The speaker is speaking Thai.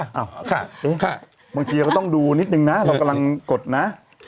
บางทีเราก็ต้องดูนิดนึงนะเรากำลังกดนะ